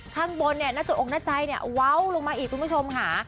ข้างบนเนี่ยหน้าจองหน้าใจเนี่ยเว้าลงมาอีกคุณผู้ชมค่ะ